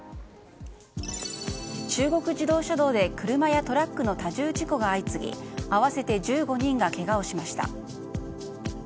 中国自動車道で車やトラックの多重事故が相次ぎ合わせて１５人がけがをしました。